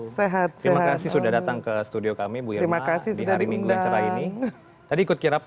sehat terima kasih sudah datang ke studio kami bu irma di hari minggu yang cerai ini tadi ikut kirap